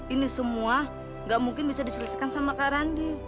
ini semua nggak mungkin bisa diselesaikan sama kak randi